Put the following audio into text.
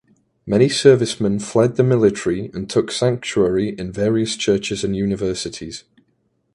Many servicemen fled the military and took sanctuary in various churches and universities.